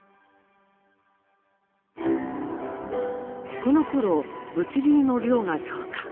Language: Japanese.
このころ物流の量が増加。